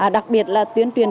đặc biệt là tuyên truyền